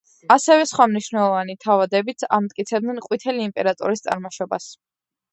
ასევე სხვა მნიშვნელოვანი თავადებიც ამტკიცებდნენ ყვითელი იმპერატორის წარმოშობას.